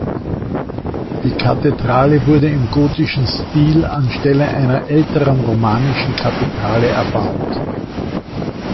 Die Kathedrale wurde im gotischen Stil an Stelle einer älteren romanischen Kathedrale erbaut.